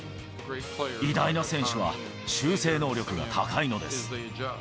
偉大な選手は修正能力が高いのです。